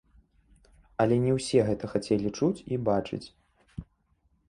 Але не ўсе гэта хацелі чуць і бачыць.